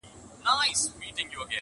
نه په پلونو نه په ږغ د چا پوهېږم!!